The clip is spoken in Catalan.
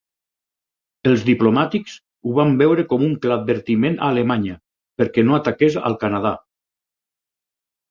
Els diplomàtics ho van veure com un clar advertiment a Alemanya perquè no ataqués al Canadà.